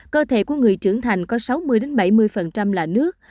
cơ thể của người trưởng thành có sáu mươi bảy mươi là nước